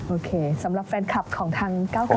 โอเคสำหรับแฟนคลับของทางก้าวกอ